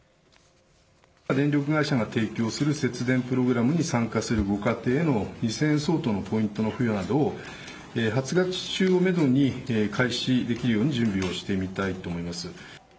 電力会社が提供する節電プログラムに参加するご家庭への、２０００円相当のポイントの付与などを、８月中をメドに開始できるように準備をしてみたいと思います。